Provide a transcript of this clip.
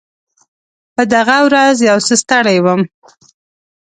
په دغه ورځ یو څه ستړی وم.